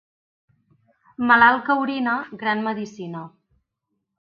Malalt que orina, gran medecina.